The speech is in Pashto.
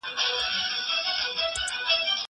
زه پرون زدکړه کوم!!